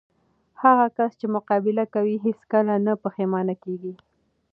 هغه کس چې مقابله کوي، هیڅ کله نه پښېمانه کېږي.